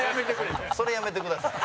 それ、やめてください。